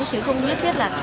chứ không nhất thiết là